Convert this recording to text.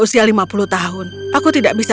usia lima puluh tahun aku tidak bisa